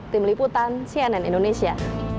tim liputan cnn indonesia